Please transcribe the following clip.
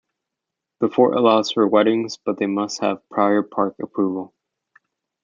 The Fort allows for weddings, but they must have prior park approval.